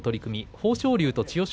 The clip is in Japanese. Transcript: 豊昇龍と千代翔